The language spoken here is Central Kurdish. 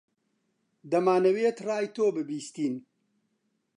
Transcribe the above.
دەمانەوێت ڕای تۆ ببیستین.